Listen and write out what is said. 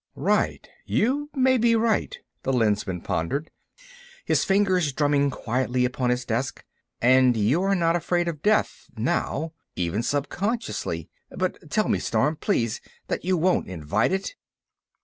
"Right ... you may be right," the Lensman pondered, his fingers drumming quietly upon his desk. "And you are not afraid of death—now—even subconsciously. But tell me, Storm, please, that you won't invite it."